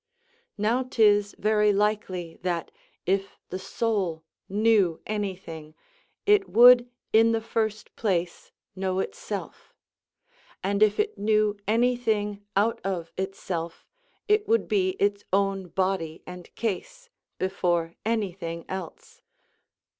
Now 'tis very likely that, if the soul knew any thing, it would in the first place know itself; and if it knew any thing out of itself, it would be its own body and case, before any thing else.